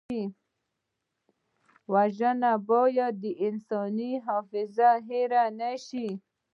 وژنه باید د انساني حافظې نه هېره نه شي